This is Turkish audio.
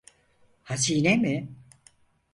Hazine mi?